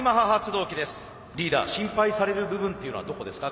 リーダー心配される部分っていうのはどこですか？